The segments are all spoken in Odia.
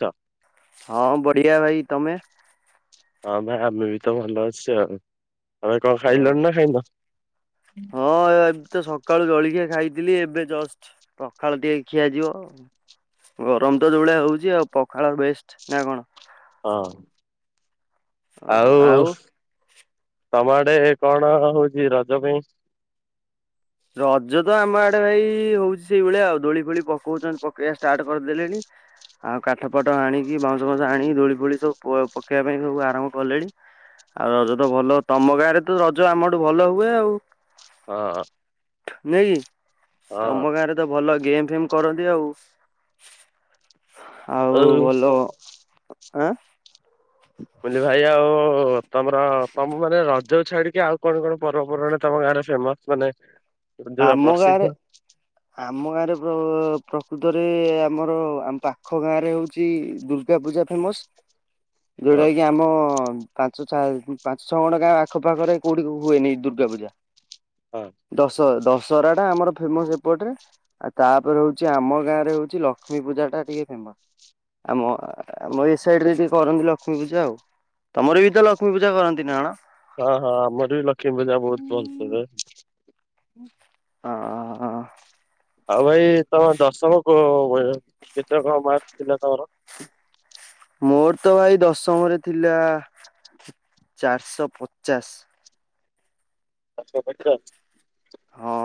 ତ ହଁ ବଢିଆ ଭାଇ ତମେ? ହଁ ଭାଇ ଆମେ ବି ତ ଭଲ ଅଛେ ଆଉ। ତମେ କଣ ଅ ଖାଇଲଣି ନା ଖାଇନ? ହଁ। ଏ ତ ସକାଳୁ ଜଳିକିଆ ଖାଇ ଥିଲି ଏବେ ଜଷ୍ଟ ପଖାଳ ଟିକେ ଖିଆଯିବ। ଗରମ ତ ଯଉଭଳିଆ ହଉଚି ଆଉ ପଖାଳ ବେଷ୍ଟ ନା କଣ? ହଁ ଅ ଆଉ ତମ ଆଡେ କଣ ହଉଚ ରଜ ପାଇଁ ରଜ ତ ଆମ ଆଡେ ଭାଇ ହଉଛି ସେଇଭଳିଆ ଆଉ ଦୋଳି ଫୋଳି ପକଉଛନ୍ତି ପକେଇବା ଷ୍ଟାର୍ଟ କରିଦେଲେଣି ଆଉ କାଠ ପାଠ ଆଣିକି ବାଉଁଶ ଫଉଁସ ଆଣିକି ଦୋଳି ଫୋଳି ସବୁ ପକେଇବା ପାଇଁ ସବୁ ଆରମ୍ଭ କଲେଣି ଆଉ ରଜ ତ ଭଲ ତମ ଗାଁରେ ତ ରଜ ଆମଠୁ ଭଲ ହୁଏ ଆଉ। ହଁ ନାଇଁ କି? ହଁ ତମ ଗାଁ ରେ ତ ଭଲ ଗେମ୍ ଫିମ କରନ୍ତି ଆଉ। ଆଉ ଭଲ ଆଁ ମୁଁ କହିଲି ଭାଇ ଆଉ ତମର ତ ମୁଁ ମାନେ ଯୋଉ ଛାଡିକି ଆଉ କଣ କଣ ପର୍ବପର୍ବାଣି ତମ ଗାଁରେ ଫେମସ ମାନେ ଯୋଉଟା ଆମ ପ୍ରସିଦ୍ଧ ଗାଁରେ ଆମ ଗାଁରେ ପ୍ରକୃତ ଆମର ଆମ ପାଖ ଗାଁ ରେ ହଉଛି ଦୁର୍ଗା ପୂଜା ଫେମସ। ହଁ ଯୋଉଟା କି ଆମ ପାଞ୍ଚ ପାଞ୍ଚ ଛଅ ଖଣ୍ଡ ଗାଁ ଆଖପାାଖରେ କୋଉଠି ହୁଏନି ଦୁର୍ଗା ପୂଜା। ହଁ। ଦଶ ଦଶହରା ଟା ଆମର ଫେମସ ଏପଟେ ତାପରେ ହଉଛି ଆମ ଗାଁ ରେ ହଉଛି ଲକ୍ଷ୍ମୀ ପୂଜା ଟା ଟିକେ ଫେମସ ଆମ ଆମ ଏ ସାଇଡ ରେ ଟିକେ କରନ୍ତି ଲକ୍ଷ୍ମୀ ପୂଜା ଆଉ ତମର ବି ତ ଲକ୍ଷ୍ମୀ ପୂଜା କରନ୍ତି ନା କଣ? ହଁ ହଁ ଆମର ବି ଲକ୍ଷ୍ମୀ ମୂଜା ବହୁତ ଭଲସେ ହଁ ହଁ ହଁ। ଆଉ ଭାଇ ତମ ଦଶମକୁ କେତେ କଣ ମାର୍କ ଥିଲା ତମର ମୋର ତ ଭାଇ ଦଶମରେ ଥିଲା ଚାରିଶହ ପଚାଶ। ଚାରିଶ ପଚାଶ ହଁ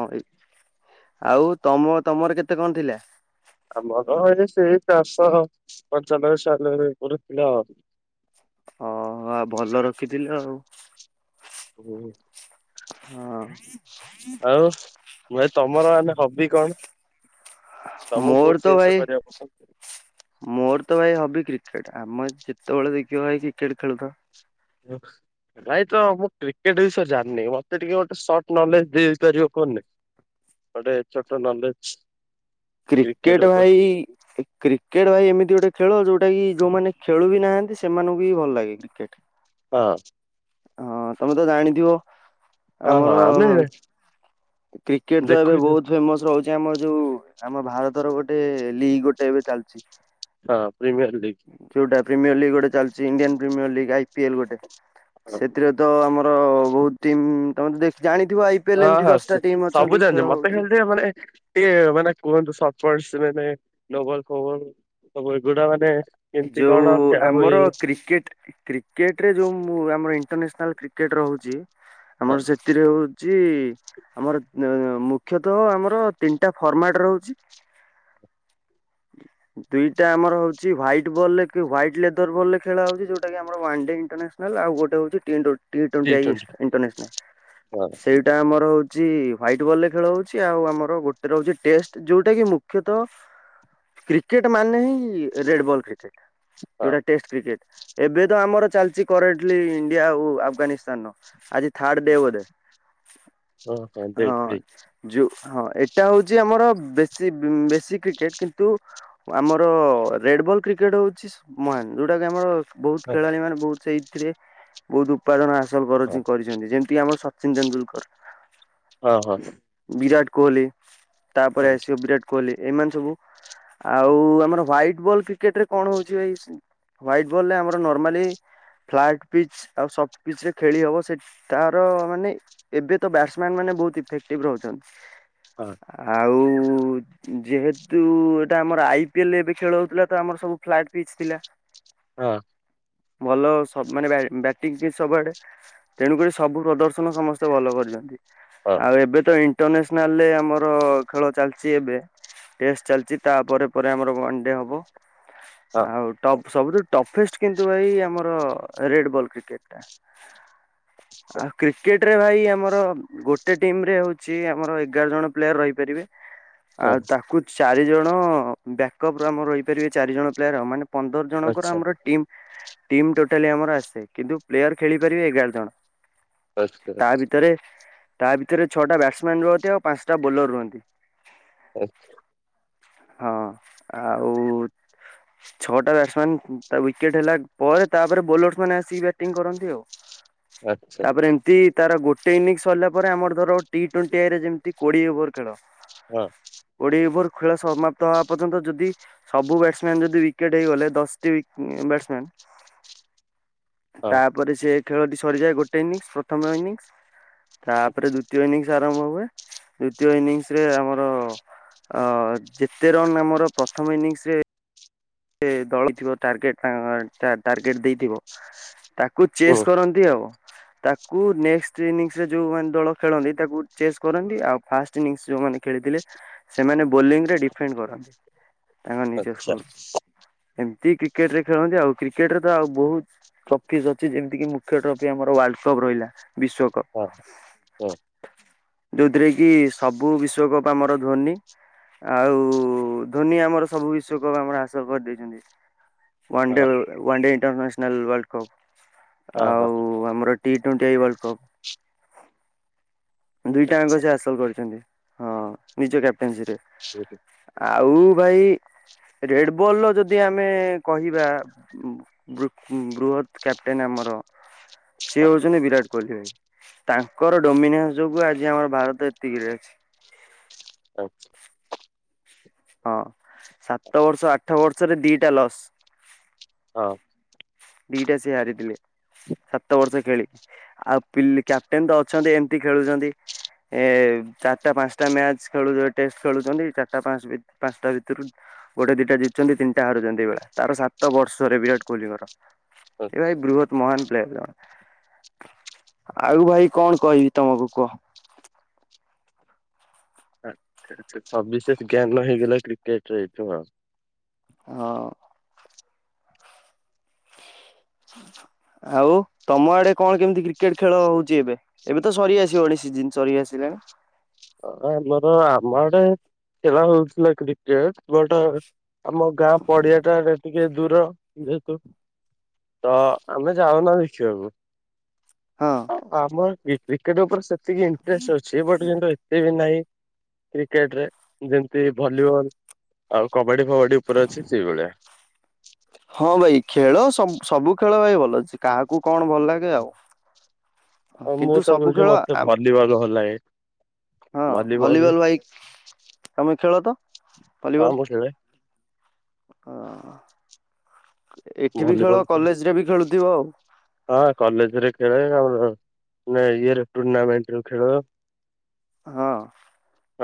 ଆଉ ତମ ତମର କେତେ କଣ ଥିଲା? ଆମର ତ ଏଇ ସେଇ ଚାରିଶହ ପଞ୍ଚାନବେ ଛୟାଲବେ ଉପରେ ଥିଲା ଆଉ। ହଁ ଭଲ ରଖିଥିଲା ଆଉ। ହୁଁ। ହଁ। ଆଉ ତମର ମାନେ ହବି କଣ? ତମକୁ କୋଉ ମୋର ତ ଜିନିଷ ଭାଇ କରିବାକୁ ପସନ୍ଦ? ମୋର ତ ଭାଇ ହବି କ୍ରିକେଟ ଆମେ ଯେତବଳେ ଦେଖିବା ଭ କ୍ରିକେଟ ଖେଳୁଥା ଭାଇ ତ ମୁଁ କ୍ରିକେଟ ବିଷୟରେ ଜାଣିନି ମତେ ଟିକେ ଗୋଟେ ସର୍ଟ ନଲେଜ ଦେଇପାରିବ କୁହନି ଗୋଟେ ଛୋଟ ନଲେଜ କ୍ରିକେଟ ଭାଇ କ୍ରିକେଟ ଭାଇ ଏମିତି ଗୋଟେ ଖେଳ ଯୋଉଟା କି ଯୋଉମାନେ ଖେଳୁ ବି ନାହାନ୍ତି ସେ ସେମାନଙ୍କୁ ବିି ଭଲ ଲାଗେ କ୍ରିକେଟ। ହଁ। ହଁ ତମେ ତ ଜାଣିଥିବ ହଁ ହଁ ଆମର ଆମେ କ୍ରିକେଟ ତ ଏବେ ଦେଖୁଛୁ ବହୁତ ଫେମସ ରହୁଛି ଆମ ଯୋଉ ଆମ ଭାରତର ଗୋଟେ ଲିଗ୍ ଗୋଟେ ଏବେ ଚାଲିଛି। ହଁ ପ୍ରିମିୟର ଲିଗ୍ ଯୋଉଟା ପ୍ରିମିୟର ଲିଗ୍। ଯୋଉଟା ଚାଲିଛି Indian premier league IPL ଗୋଟେ ସେଥିରେ ତ ଆମର ବହୁ ଟିମ୍ ତମେ ତ ଦେ ହଁ ହଁ ସବୁ ଖେଳ ଜାଣିଛ ମତେ ହଉଛି। ଖେଳଛି ମାନେ ଟିକେ ମାନେ କୁହନ୍ତୁ। ମାନେ ନୋବଲବ ସବୁ ଏଗୁଡା ମାନେ କେମିତି ଯୋଉ କଣ ଖେଳ ହୁଏ? ଆମର କ୍ରିକେଟ କ୍ରିକେଟ ରେ ଯୋଉ ମୁ ଆମର ଇରାସନାଲ କ୍ରିକେଟ୍ ରହୁଛି। ହଁ ଆମର ସେଥିରେ ହଉଛି ଆମର ମୁଖତଃ ଆମର ତିନିଟା ଫର୍ମାଟ ହହୁଛି ଦିଟା ଆମର ହଉଛି ହଟ ଟ ବଲ ରେ ହ୍ୱାଇଟ ଲେର ବଲ୍ରେ ହଉଛି ଯଉଟା ଆମ ୱା ଡ ଇଟରାସନା ଆଉ ଗୋଟେଉ ଟି ଟ୍ୱେଣ୍ଟି ଟଣ୍ଇଣ୍ନାଲ ହଁ ସେଇଟା ଆମର ହଉଛି ହ୍ଵାଇଟ୍ ବଲ ରେ ଖେଳ ହଉଛି ଆଉ ଆମର ଗୋଟେ ର ହଉଛି ଟେଷ୍ଟ ଯୋଉଟା କି ମୁଖ୍ୟତଃ କ୍ରିକେଟ ମାନେ ହିଁ ରେଡ ବଲ୍ କ୍ରିକେ ହଁ ଏଟା ଟେଷ୍ଟ କ୍ରିକେଟ ଏବେ ତ ଆମର ଚାଲିଛି କରେଣ୍ଟଲି ଇଣ୍ଡିଆ ଆଉ ଆଫଗାନିସ୍ତାନର ଆଜି ଥାର୍ଡ ଡ ହଁ ବଧେ ହଁ ହଁ ଦେଖି ଯଉ ହଁ ଏଟା ହଉଛି ଆମର ବେଶୀ ବେଶୀ କ୍ରିକେଟ କିନ୍ତୁ ଆମର ରେଡ ବଲ୍ କ୍ରିକେଟ ହଉଛି ମହାନ ଯୋଉଟା କି ଆମର ବହୁତ ହଁ ଖେଳାଳି ମାନେ ବହୁତ ସେଇ ରେ ବହୁତ ଉପାର୍ଜନ ଆସ ହଁ ହାସଲ କରିଛନ୍ତି ଯେମିତି ଆମର ସଚିନ ତେଣ୍ଡୁଲକର ହଁ ହୋ ହ କୁହଲି। ତାପରେ ଆସିବ ବିରାଟ କୋହଲି ଏମାନ ଆଉ ଆମର ହାଇଟ ବଲ୍ କ୍ରେଟରେ କଣ ହଉଛି ହଟ ବଲ ଆ ନମା ଫଟ ପିଚ ଆଉ ସ୍ଟ ପିଚ ରେ ଖେଳି ହବ ତାର ମାନେ ଏବେ ତ ମାନେ ବହୁତ ଇଫେକ୍ଭ ରହୁଛନ୍ତି। ହଁ ଆଉ ଯେହେତୁ ଏଟା ଆମର ଆଇ ପିଏଲ ଏବେ ଖେଳ ହଉଥିଲା ତ ଆମର ସବୁ ଫ୍ଟ ଥିଲା। ହଁ। ଭଲ ମାନେ ବ୍ୟାଟିଂ ସବୁଆଡେ ତେଣୁକରି ସବୁ ପ୍ରଦର୍ଶନ ସମସ୍ତେ ଭଲ କରିଛନ୍ତି। ହଁ ଆଉ ଏବେ ତ ଏଇ ଇଣ୍ଟରନ୍ୟାସନାଲରେ ଆମର ଖେଳ ଚାଲିଛି ଏବେଷ୍ଟ ଚାଲିଛି ତାପରେ ପରେ ଆମର ୱା ଡେ ହବ ହଁ ଆଉ ଟପ୍ ସବୁଠୁ ଟଫେଷ୍ଟ କିନ୍ତୁ ଏଇ ଆମର ରେଡ ବଲ କ୍ରିକେକ୍ ଟା ଆଉ କ୍ରିକେଟ ରେ ଭାଇ ଆମର ଗୋଟେ ଟିମ୍ ରେ ହଉଛି ଆମର ଏଗାର ଜଣ ପ୍ଲେୟାର ରହିପାରିବେ। ହଁ ଆଉ ତାକୁ ଚାରି ଜଣ ବ୍ୟାକ୍ ର ଆମର ରହିପାରିବେ ଚାରି ଜଣ ପ୍ଲେୟାର ଆ ମାନେ ପନ୍ଦର ଜଣଙ୍କର ଆଚ୍ଛା ଆମର ଟିମ୍ ଟିମ୍ ଟୋଟାଲି ଆମର ଆସେ କିନ୍ତୁ ପ୍ଲେୟାର ଖେଳି ପାରିବେ ଆମର ଏଗାର ଜଣ। ଆଛା ତା ଆଛା। ଭିତରେ ତା ଭିତରେ ଛଅଟା ବ୍ୟାଟସମ୍ୟାନ ରୁହନ୍ତି ଆଉ ପାଞ୍ଚଟା ବୋଲର ରୁହନ୍ତି। ଆଛା। ହଁ ଆଉ ଛଅଟା ବ୍ୟାଟମାନସ୍ ୱିକେଟ ହେଲା ପରେ ତାପରେ ବୋଲରସ୍ ମାନ ଆସିିକି ବ୍ୟାଟିଂ କରନ୍ତି ଆଉ। ଆଚ୍ଛା ଆଚ୍ଛା ତାପରେ ଏମିତି ତାର ଗୋଟେ ଇନିଂ ସରିଲା ଆମର ଧର ଟି ଟ୍ୱଣ୍ଟି ଆଇ ରେ ଯେମିତି କୋଡି ଓଭର ଖେଳ ହଁ କୋଡ଼ିଏ ଓଭର୍ ଖେଳ ସମାପ୍ତ ହବା ପର୍ଯ୍ୟନ୍ତ ଯଦି ସବୁ ବ୍ୟାଟସମ୍ୟାନ ଯଦି ୱିକେଟ ହେଇଗଲେ ଦଶଟି ବ୍ୟାଟସମ୍ୟାନ। ହଁ ତାପରେ ସେ ଖେଳଟି ସରିଯାଏ ଗୋଟେ ଇନିଂସ ପ୍ରଥମ ଇନିଂସ ତାପରେ ଦ୍ୱିତୀୟ ଇନିଙ୍ଗସ ଆରମ୍ଭ ହୁଏ। ଦ୍ଵିତୀୟ ଇନିଂସ ରେ ଆମର ଅ ଯେତେ ରନ୍ ଆମର ପ୍ରଥମ ଇନିଂସ ରେ ସେ ଦଳିଥିବ ଟାର୍ଗେଟ ଅ ତାଙ୍କ ଟାର୍ଗେଟ ଦେଇଥିବ ତାକ କୁ ଓ ଚେସ୍ କରନ୍ତି ଆଉ। ତାକୁ ନେଷ୍ଟ ଇନିଙ୍ଗସ ଯୋଉ ମାନେ ଦଳ ଖେଳନ୍ତି ତାକୁ ଚେସ୍ କରନ୍ତି ଆଉ ଫାଷ୍ଟ ଇନିଙ୍ଗସ ଯୋଉମାନେ ଖେଳିଥିଲେ ସେମାନେ ବୋଲିଂ ରେ ଡିପେଣ୍ଡ କରନ୍ତି। ତାଙ୍କ ନିଜ ଆଚ୍ଛା ସ୍କୋର। ଏମିତି କ୍ରିକେଟ ରେ ଖେଳନ୍ତି ଆଉ କ୍ରିକେଟରେ ତ ଆଉ ବହୁତ ଟ୍ରଫି ଅଛି ଯେମିତି କିି ମୁଖ୍ୟ ଟ୍ରଫି ଆମର ୱାର୍ଲଡ କପ୍ ରହିଲା। ବିଶ୍ଵକପ ହଁ ହୁଁ। ଯୋଉଥିରେ କି ସବୁ ବିଶ୍ଵକପ୍ ଆମର ଧୋନି ଆଉ ଧୋନି ଆମର ସବୁ ବିଶ୍ଵକପ୍ ଆମର ଚାଷ କରିଦେଇଛନ୍ତି। ହଁ one day one day in international world cup. ହଁ ହଁ ଆଉ ଆମର ଟି ଟ୍ବେଣ୍ଟି ଆଇ ୱାଲଡ କପ। ଦୁଇଟା ଯାଙ୍କ ସେ ହାସଲ କରିଛନ୍ତି। ହଁ ନିଜ କାପ୍ [unintelligible] ଆଉ ଭାଇ ରେଡବଲ ର ଯଦି ଆମେ କହିବା ବୃ ବୃହତ କ୍ୟାପଟେନ ଆମର ସିଏ ହଉଛନ୍ତି ବିରାଟ କୋହଲି ଭାଇ। ତାଙ୍କର ଡୋମିନା ଯୋଗୁ ଆଜି ଆମର ଭାରତ ଏତିକିରେ ଅଛି। ଆଚ୍ଛା। ହଁ। ସାତ ବର୍ଷ ଆଠ ବର୍ [unintelligible] ଦିଟା ଲସ୍। ହଁ। ଦିଟା ସେ ହାରିଥିଲେ ସାତ ବର୍ଷ ଖେଳିକି ଆଉ କ୍ୟାପଟେନ ତ ଅଛନ୍ତି ଏମତି ଖେଳୁଛନ୍ତି ଏ ଚାରିଟା ପାଞ୍ଚଟା ମ୍ୟାଚ ଖେଳ ଟେଷ୍ଟ ଖେଳୁଛନ୍ତି ଚାରିଟା ପାଞ୍ଚ ପାଞ୍ଚଟା ଭିତରୁ ଗୋଟେ ଦିଟା ଜିତୁଛନ୍ତି ତିନିଟା ହାରୁଛନ୍ତି ଏଇଭଳିଆ। ତାର ସାତ ବର୍ଷରେ ବିରାଟ କୋହଲିଙ୍କର। ଏ ଭାଇ ଆଚ୍ଛା। ବୃହତ୍ ମହାନ [unintelligible] ଆଉ ଭାଇ କଣ କହିବି ତମକୁ କୁହ। [unintelligible] କ୍ରିକେଟ ରେ ଏଇଠୁ ଆଉ। ହଁ। ଆଉ ତମ ଆଡେ କଣ କେମିତି କ୍ରିକେଟ ଖେଳ ହଉଛି ଏବେ? ଏବେ ତ ସରି ଆସିବ ସି ସରି ଆସିଲାଣି। ହଁ ଆମୋର ଆମ ଆଡେ ଖେଳ ହଉଥିଲା କ୍ରିକେଟ ବଟ ଆମ ଗାଁ ପଡିଆ ଟାରେ ଟିକେ ଦୂର ଯେହେତୁ ତ ଆମେ ଯାଉନା ଦେଖିବାକୁ। ହଁ [unintelligible] ଏ କ୍ରିକେଟ ଉପରେ ସେ ଟିକେ ଇଣ୍ଟରେଷ୍ଟ ଅଛି ବଟ୍ ନାହିଁ କ୍ରିକେଟରେ ଯେମିତି ଭଲିବଲ ଆଉ କ କବାଡି ଫବାଡି ଉପରେ ଅଛି ସେଇଭଳିଆ। ହଁ ଭାଇ ଖେଳ ସବୁ ସବୁ ଖେଳ ଭାଇ ଭଲ ଅଛି କାହାକୁ କଣ ଭଲ ଲାଗେ ଆଉ। ଆଉ ମୁଁ କିନ୍ତୁ ତ ସବୁ କହୁଛି ଖେଳ ମତେ ଭଲିବଲ ଭଲ ଲାଗେ ହଁ ଭଲିବଲ ଭାଇ ତମେ ଖେଳ ତ ହଁ ଭଲିବଲ ମୁଁ ଖେଳେ ହଁ ଏଠି ବି ଖେଳ ଭଲିବଲ ଖେଳେ। କଲେଜ ରେ ବି ଖେଳୁଥିବ ଆଉ। ହଁ କଲେଜ ରେ ଖେଳେ ଆଉ ଇଏ ଟୁର୍ଣାମେଣ୍ଟ ରେ ଖେଳେ ହଁ।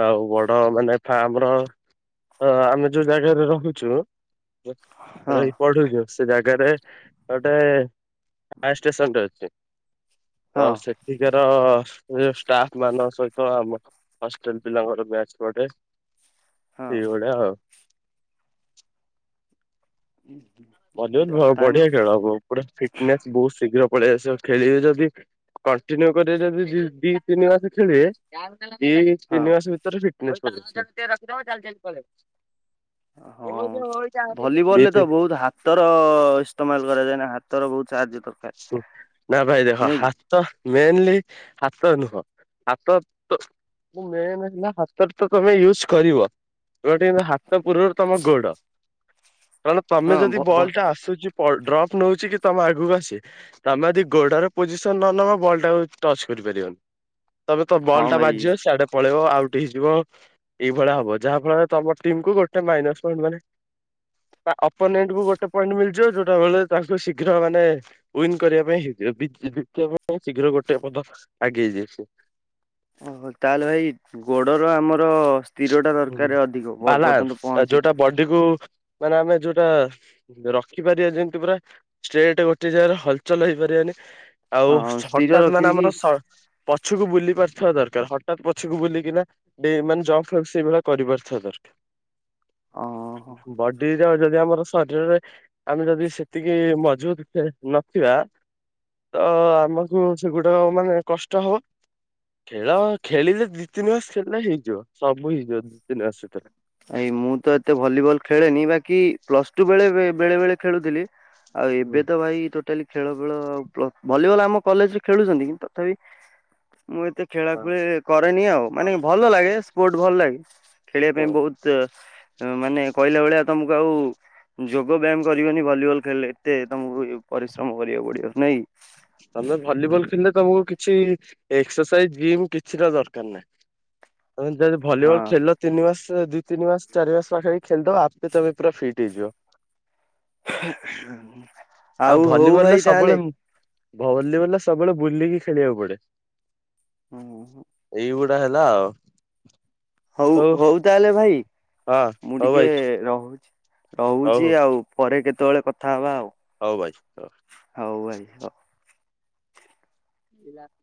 ଆଉ ବଡ ମାନେ ଫାମର ଆମେ ଯୋଉ ଜାଗାରେ ରହୁଚୁ [unintelligible] ହଁ ରହି ପଢୁଚୁ। ସେ ଜାଗାରେ ଗୋଟେ ଫାୟାର ଷ୍ଟେସନ ଟେ ଅଛି। ତ ହଁ ସେଠିକାର ଷ୍ଟାଫ ମାନଙ୍କ ସହିତ ଆମ ହଷ୍ଟେଲ ପିଲାଙ୍କର ମ୍ୟାଚ୍ ପଡେ। ହଁ ସେଇ ଭଳିଆ ଆଉ। ଭଲିବଲ ତାହେଲେ ବଢିଆ ଖେଳ ହବ ପୁରା ଫିଟନେସ୍ ବହୁତ ଶୀଘ୍ର ପଳେଇଆସିବେ ଖେଳିବେ ଯଦି କଣ୍ଟିନ୍ୟୁ କରିବେ ଯଦି ଦି ତିନି ମାସ ଖେଳିବେ ଦି ହଁ ତିନି ମାସ ଭିତରେ ଫି [unintelligible] ହଁ ଭଲିବଲ ରେ ତି ତ ବହୁତ ହାତ ତର ଇସ୍ତେମଲ କରାଯ ଯାଇନା ହାତ ନା ଭାଇ ଦେଖ ନାଇଁ କି ହାତ ମେନ୍ଲି ହାତ ନୁହଁ। ହାତ ତ ମେନ୍ ହେଲା ହାତରେ ତ ତମେ ୟୁଜ କରିବ ହାତ ପୂର୍ବରୁ ତମ ଗୋଡ କାରଣ ତମେ ହଁ ଭ ଯଦି ଭ ବଲ୍ ଟା ଆସୁଚ। ଡ୍ରପ୍ ନେଉଛି କି ତମେ ଆଗକୁ ଆସ ତମେ ଯଦି ଗୋଟାର ପୋଜିସନ ନ ନବା ବଲ୍ ଟାକୁ ଟଚ କରିପାରିବନି। ତେବେ ତୋ ବଲ ହଁ ଟା ଭାଇ। ବାଜିବ ସିଆଡେ ପଳେଇବ। ହେଇଯିବ ଏଇଳିଆ ହବ ଯାହା ଫଳ ତମ ଟିକୁୁ ଗୋଟେ ମଣ୍ଟ ମାନେପୋନଣ୍ଟ କ ଗୋଟେ ପଏଣ୍ଟ ମିଯିବ ଯୋଉଟା ତା ଶୀଘ୍ର ମାନେ ଉୱନ୍ କରିବା ପାଇଁ ହେଇ ଜିତିବା ପାଇଁ ଶୀଘ୍ର ଗୋଟେ ପଦ ଆଗେଇ ହେଇଯାଇଛି। ଓହୋ ତାହେଲେ ଭାଇ ଗୋଡର ଆମର ର ସ୍ଥିର ଟା ହୁଁ ଦରକାର ଅଧିକ ଭଲ ବାଲାନ୍ସ ପର୍ଯ୍ୟନ୍ତ ପହଞ୍ଚି ଯୋଉଟା ବଡିକୁ ମାନେ ଆମେ ଯୋଉଟା ରଖିପାରିବା ଯେମିତି ପୁରା ଷ୍ଟେଟ ଗୋଟେ ଜାଗାରେ ହଲଚଲ ହେଇପାରିବାନି। ଆଉ ହଁ ସ୍ଥିର ହଠାତ ମାନେ ରଖିବି କି ଆମର ପଛକୁ ବୁଲି ପାରୁିଥିବା ଦରକାର ହଠାତ୍ ପଛକୁ ବୁଲିକିନା ମାନେ ସେଇଭଳିଆ କରିବାର ଦରକାର। ଓହୋ। ବଡି ଯଦି ଆମର ଶରୀରରେ ଆମେ ଯଦି ସେତିକି ମଜବୁତ ନଥିବା ତ ଆମକୁ ସେଗୁଡାକ ମାନେ କଷ୍ଟ ହବ ଖେଳ ଖେଳିଲେ ଦି ତିନି ମାସ ଖେଳିଲେ ହେଇଯିବ। ସବୁ ହେଇଯିବ ଦି ତିନି ମାସ ଭିତରେ। ଏଇ ମୁଁ ତ ଏତେ ଭଲିବଲ ଖେଳେନି ବାକି ପ୍ଲସ ଟୁ ବେଳେ ବେଳେ ବେଳେ ଖେଳୁଥିଲି ଆଉ ହୁଁ ଏବେ ତ ଭାଇ ଟୋଟାଲି ଖେଳ ବେଳ ପ୍ଲ ଭଲିବଲ ଆମ କଲେଜରେ ଖେଳୁଚନ୍ତି କିନ୍ତୁ ତଥାପି ମୁଁ ଏତେ ହଁ ଖେଳାଖୁଳି କରେନି ଆଉ ମାନେ ଭଲ ଲାଗେ ସ୍ପୋର୍ଟ ଭଲ ଲାଗେ ଖେଳିବା ପାଇଁ ହଁ ବହୁତ ମାନେ କହିଲା ଭଳିଆ ତମକୁ ଆଉ ଯୋଗ ବ୍ୟାୟାମ କରିବନି ଭଲିବଲ ଖେଳିଲେ ଏତେ ତମକୁ ପରିଶ୍ରମ କରିବାକୁ ପଡିବ ନାଇଁ କି? ତମେ ଭଲିବଲ ଖେଳିଲେ ତମକୁ କିଛି ଏକ୍ସରସାଇଜ ଜିମ୍ କିଛି ଟ ଦରକାର ନାହିଁ। ତମେ ଯଦି ହଁ ଭଲିବଲ ଖେଳିଲ ତିନି ମାସ ଦି ତିନି ମାସ ଚାରି ମାସ ପାଖାପାଖି ଖେଳିଦବ ଆପେ ତମେ ପୁରା ଫିଟ୍ ହେଇଯିବ। ଆଉ ହଉ ଭାଇ ତାହେଲେ ଭଲିବଲ୍ ର ସବୁବେଳେ ବୁଲିକି ଖେଳିବାକୁ ପଡେ। ଏଇ ବ ପା ହେଲା ଆଉ। ହଉ ହଉ ତାହେଲେ ଭାଇ ହଁ ମୁଁ ହଉ ଟିକେ ଭାଇ ରହୁଚି। ହଉ ହଉ। ରହୁଚି ଆଉ ପରେ କେତେ ସେତେବେଳେ କଥା ହବା ଆଉ। ହଉ ଭାଇ ରଖ। ହଉ ଭାଇ ହଉ। [unintelligible]